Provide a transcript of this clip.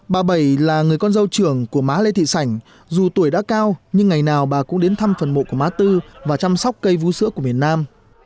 bà bảy là người con dâu trưởng của má lê thị sảnh dù tuổi đã cao nhưng ngày nào bà cũng đến thăm phần mộ của má tư và chăm sóc cây vú sữa của miền nam